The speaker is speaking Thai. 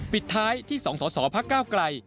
ปิดท้ายที่สองส่อพระก้าวไกล